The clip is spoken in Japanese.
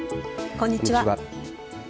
こんにちは。